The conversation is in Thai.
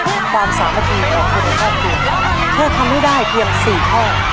ความสามัคคีของคนในครอบครัวแค่ทำให้ได้เพียง๔ข้อ